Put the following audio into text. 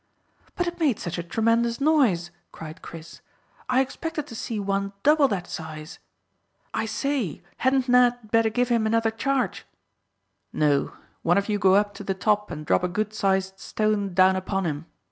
"But it made such a tremendous noise," cried Chris. "I expected to see one double that size. I say, hadn't Ned better give him another charge?" "No; one of you go up to the top and drop a good sized stone down upon him.